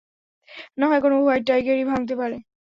নাহয়, কোনো হোয়াইট টাইগারই ভাঙতে পারে।